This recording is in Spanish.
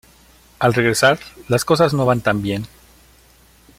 Al regresar, las cosas no van tan bien.